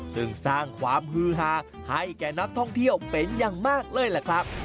ซึ่งสร้างความฮือฮาให้แก่นักท่องเที่ยวเป็นอย่างมากเลยล่ะครับ